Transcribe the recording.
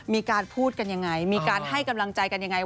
มีการพูดกันยังไงมีการให้กำลังใจกันยังไง